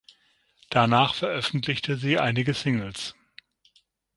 Danach veröffentlichte sie einige Singles.